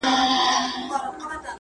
نر دي بولم که ایمان دي ورته ټینګ سو٫